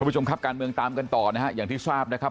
ผู้ชมครับการเมืองตามกันต่อนะฮะอย่างที่ทราบนะครับ